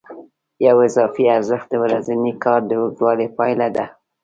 یو اضافي ارزښت د ورځني کار د اوږدوالي پایله ده